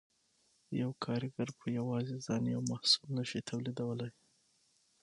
یو کارګر په یوازې ځان یو محصول نشي تولیدولی